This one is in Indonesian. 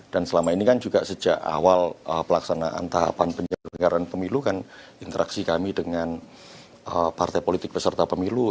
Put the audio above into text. dan selama ini kan juga sejak awal pelaksanaan tahapan penyelenggaraan pemilu kan interaksi kami dengan partai politik peserta pemilu